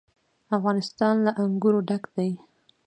افغانستان له انګور ډک دی.